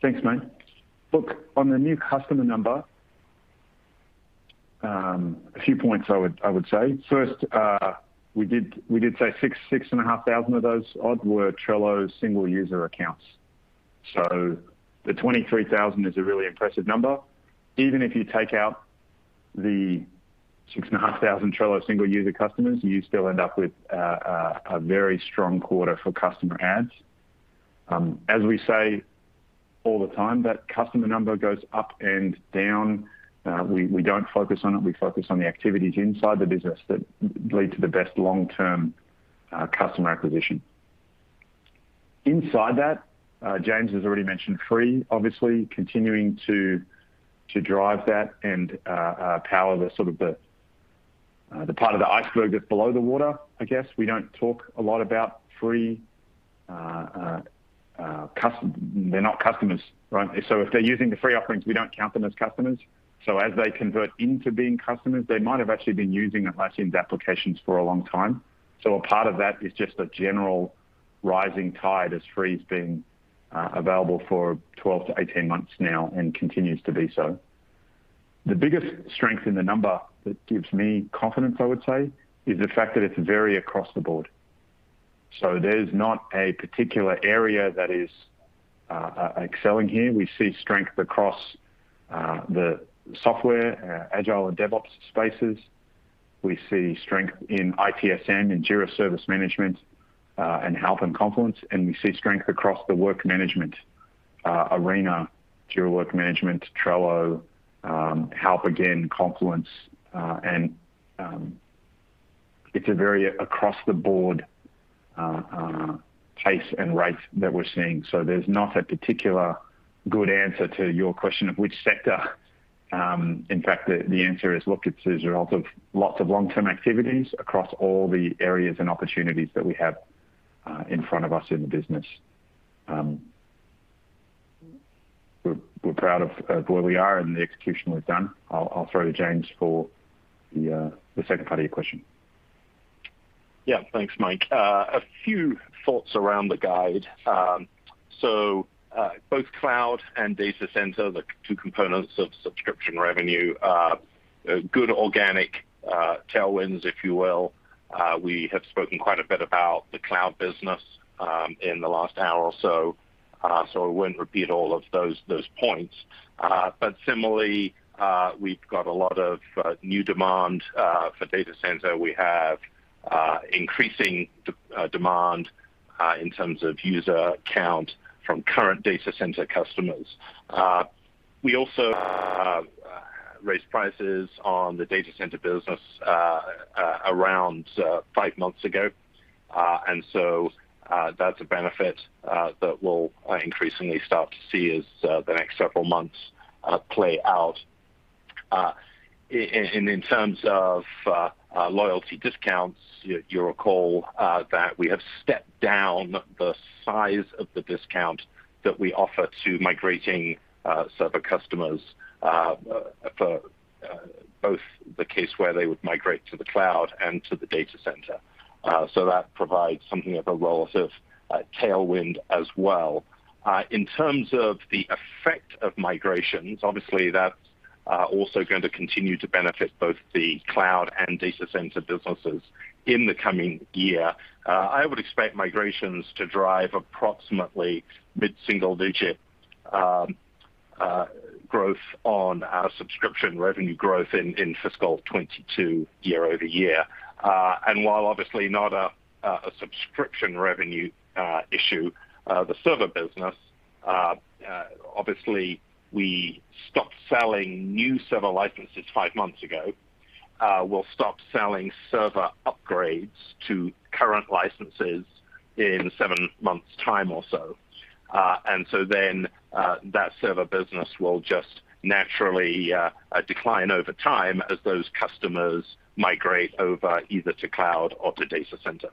Thanks, mate Look, on the new customer number, a few points I would say. First, we did say 6,500 of those odd were Trello single user accounts. The 23,000 is a really impressive number. Even if you take out the 6,500 Trello single user customers, you still end up with a very strong quarter for customer adds. As we say all the time, that customer number goes up and down. We don't focus on it. We focus on the activities inside the business that lead to the best long-term customer acquisition. Inside that, James has already mentioned Free, obviously, continuing to drive that and power the part of the iceberg that's below the water, I guess. We don't talk a lot about Free. They're not customers, right? If they're using the Free offerings, we don't count them as customers. As they convert into being customers, they might have actually been using Atlassian's applications for a long time. A part of that is just a general rising tide as Free's been available for 12 months to 18 months now and continues to be so. The biggest strength in the number that gives me confidence, I would say, is the fact that it's very across the board. There's not a particular area that is excelling here. We see strength across the software, agile and DevOps spaces. We see strength in ITSM, in Jira Service Management, and Halp in Confluence. We see strength across the work management arena, Jira Work Management, Trello, Halp again, Confluence. It's a very across the board pace and rate that we're seeing. There's not a particular good answer to your question of which sector. The answer is, look, it's the result of lots of long-term activities across all the areas and opportunities that we have in front of us in the business. We're proud of where we are and the execution we've done. I'll throw to James for the second part of your question. Yeah, thanks, Mike, a few thoughts around the guide. Both cloud and data center, the two components of subscription revenue are good organic tailwinds, if you will. We have spoken quite a bit about the cloud business in the last 1 hour or so. I won't repeat all of those points. Similarly, we've got a lot of new demand for data center. We have increasing demand in terms of user count from current data center customers. We also raised prices on the data center business around five months ago. That's a benefit that we'll increasingly start to see as the next several months play out. In terms of loyalty discounts, you'll recall that we have stepped down the size of the discount that we offer to migrating server customers for both the case where they would migrate to the cloud and to the data center. That provides something of a relative tailwind as well. In terms of the effect of migrations, obviously, that's also going to continue to benefit both the cloud and data center businesses in the coming year. I would expect migrations to drive approximately mid-single digit growth on our subscription revenue growth in fiscal 2022 year-over-year. While obviously not a subscription revenue issue, the server business, obviously we stopped selling new server licenses five months ago. We'll stop selling server upgrades to current licenses in the seven months' time or so. That server business will just naturally decline over time as those customers migrate over either to cloud or to data center.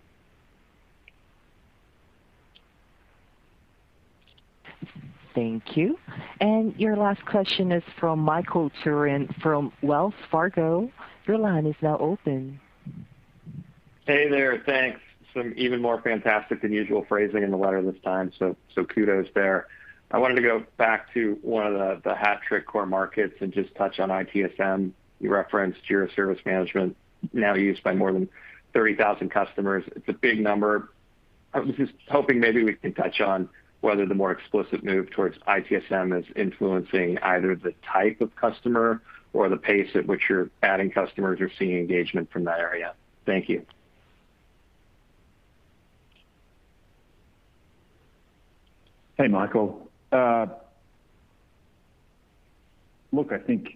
Thank you and your last question is from Michael Turrin from Wells Fargo. Your line is now open. Hey there. Thanks. Some even more fantastic than usual phrasing in the letter this time so kudos there. I wanted to go back to one of the hat trick core markets and just touch on ITSM. You referenced Jira Service Management, now used by more than 30,000 customers. It's a big number. I was just hoping maybe we could touch on whether the more explicit move towards ITSM is influencing either the type of customer or the pace at which you're adding customers or seeing engagement from that area. Thank you. Hey, Michael. Look, I think,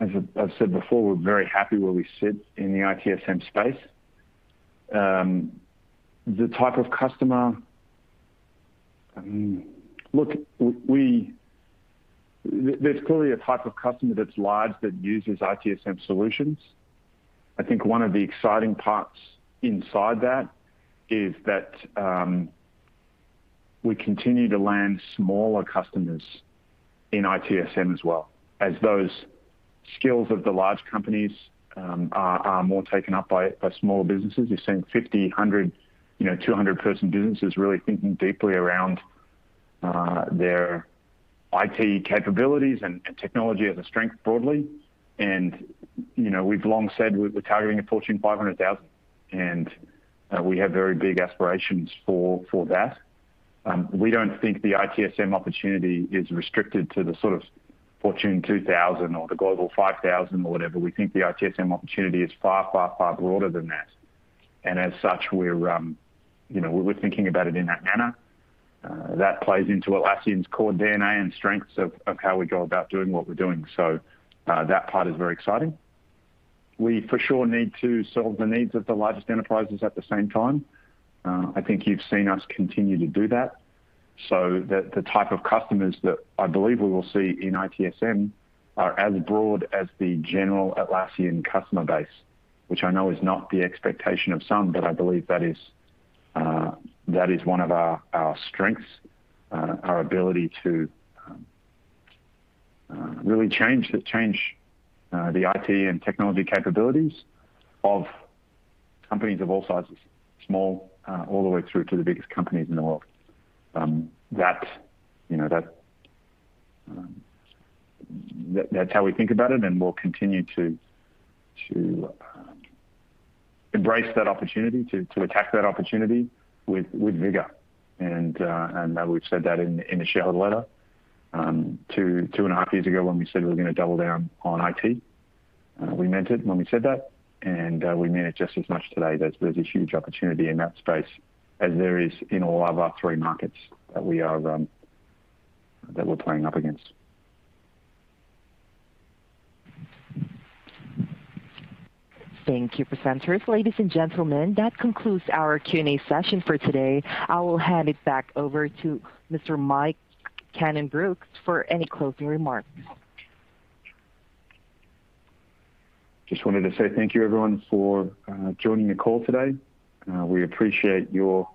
as I've said before, we're very happy where we sit om the ITSM space. The type of customer, look, there's clearly a type of customer that's large that uses ITSM solutions. I think one of the exciting parts inside that is that we continue to land smaller customers in ITSM as well as those skills of the large companies are more taken up by smaller businesses. You're seeing 50 person, 100 person, 200 person businesses really thinking deeply around their IT capabilities and technology as a strength broadly. You know, we've long said we're targeting a Fortune 500,000, and we have very big aspirations for that. We don't think the ITSM opportunity is restricted to the sort of Fortune 2,000 or the Global 5,000 or whatever. We think the ITSM opportunity is far, far, far broader than that. As such, we're thinking about it in that manner. That plays into Atlassian's core DNA and strengths of how we go about doing what we're doing. That part is very exciting. We for sure need to solve the needs of the largest enterprises at the same time. I think you've seen us continue to do that. The type of customers that I believe we will see in ITSM are as broad as the general Atlassian customer base, which I know is not the expectation of some, but I believe that is one of our strengths, our ability to really change the IT and technology capabilities of companies of all sizes, small all the way through to the biggest companies in the world. That's how we think about it, and we'll continue to embrace that opportunity, to attack that opportunity with vigor. We've said that in the shareholder letter two and a half years ago when we said we were going to double down on IT. We meant it when we said that, and we mean it just as much today that there's a huge opportunity in that space, as there is in all of our three markets that we're playing up against. Thank you, presenters. Ladies and gentlemen, that concludes our Q&A session for today. I will hand it back over to Mr. Mike Cannon-Brookes for any closing remarks. I just wanted to say thank you, everyone, for joining the call today. We appreciate your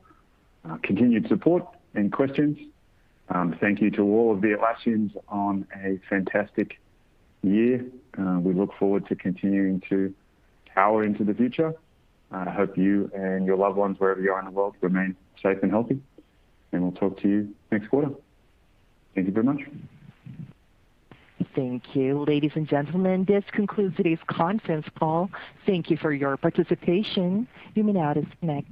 continued support and questions. Thank you to all of the Atlassians on a fantastic year. We look forward to continuing to power into the future. I hope you and your loved ones, wherever you are in the world, remain safe and healthy, and we'll talk to you next quarter. Thank you very much. Thank you. Ladies and gentlemen, this concludes today's conference call. Thank you for your participation. You may now disconnect.